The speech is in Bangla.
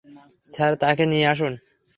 স্যার, তাকে নিয়ে আসুন।